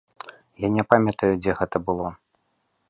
Я не памятаю, дзе гэта было.